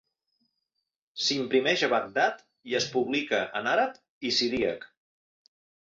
S'imprimeix a Bagdad i es publica en àrab i siríac.